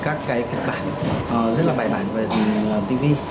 các cái kịch bản rất là bài bản về tivi